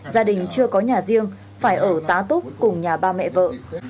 gia đình chưa có nhà riêng phải ở tá túc cùng nhà ba mẹ vợ